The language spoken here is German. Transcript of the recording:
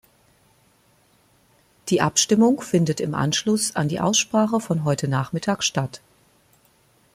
Die Abstimmung findet im Anschluss an die Aussprache von heute Nachmittag statt.